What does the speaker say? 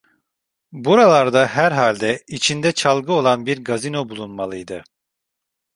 Buralarda herhalde, içinde çalgı olan bir gazino bulunmalıydı.